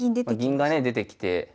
銀がね出てきて。